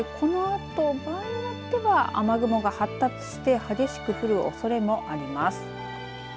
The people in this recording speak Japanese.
そして、このあと場合によっては雨雲が発達して激しく降るおそれもあります。